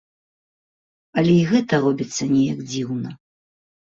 Але і гэта робіцца неяк дзіўна.